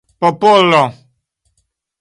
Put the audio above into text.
popolo